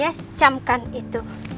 yes camkan itu